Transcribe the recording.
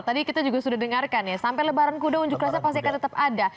tadi kita juga sudah dengarkan ya sampai lebaran kuda unjuk rasa pasti akan tetap ada